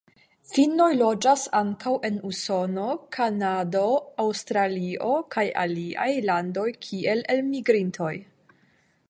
Finnoj loĝas ankaŭ en Usono, Kanado, Aŭstralio kaj aliaj landoj kiel elmigrintoj.